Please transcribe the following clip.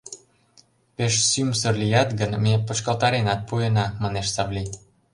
Пеш сӱмсыр лият гын, ме почкалтаренат пуэна! — манеш Савли.